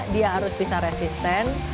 dia harus bisa resisten